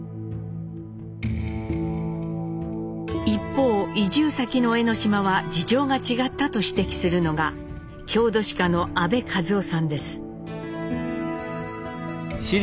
一方移住先の江島は事情が違ったと指摘するのが郷土史家の阿部和夫さんです。